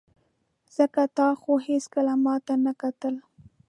ځکه تا خو هېڅکله ماته نه کتل.